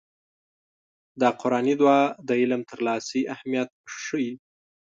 دا قرآني دعا د علم ترلاسي اهميت ښيي.